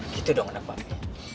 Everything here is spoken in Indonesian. gitu dong anak pak be